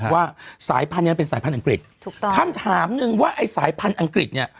ว่าสายพันธุ์เป็นสายพันธุ์อังกฤษถูกต้องคำถามหนึ่งว่าไอ้สายพันธุ์อังกฤษเนี่ย